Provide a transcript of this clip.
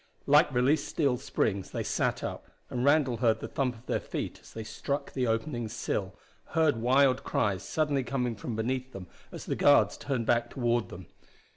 Like released steel springs they sat up, and Randall heard the thump of their feet as they struck the opening's sill, heard wild cries suddenly coming from beneath them, as the guards turned back toward them.